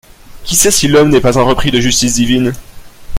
Qui sait si l’homme n’est pas un repris de justice divine ?